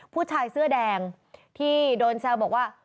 ผู้ชายเสื้อแดงที่โดนแซวบอกว่า